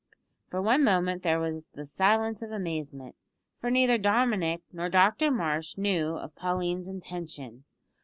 For one moment there was the silence of amazement, for neither Dominick nor Dr Marsh knew of Pauline's intention.